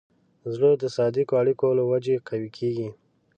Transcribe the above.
زړه د صادقو اړیکو له وجې قوي کېږي.